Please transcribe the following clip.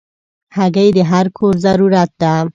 هګۍ د هر کور ضرورت ده.